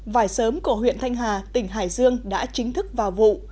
vải sớm của huyện thanh hà tỉnh hải dương đã chính thức vào vụ